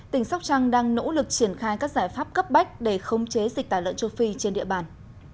tỉnh sóc trăng đang nỗ lực triển khai các giải pháp cấp bách để khống chế dịch tả lợn châu phi trên địa bàn